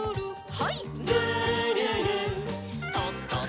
はい。